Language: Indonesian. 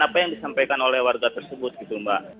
apa yang disampaikan oleh warga tersebut gitu mbak